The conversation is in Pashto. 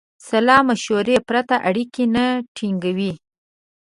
سلامشورې پرته اړیکې نه ټینګوي.